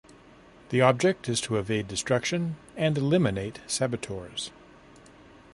The object is to evade destruction and eliminate saboteurs.